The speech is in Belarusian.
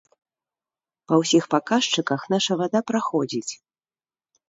Па ўсіх паказчыках наша вада праходзіць.